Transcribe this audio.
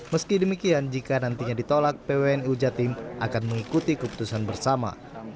meski demikian jika nantinya ditolak pwnu jatim akan mengikuti keputusan bersama